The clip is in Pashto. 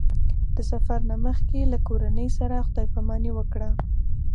د سفر نه مخکې له کورنۍ سره خدای پاماني وکړه.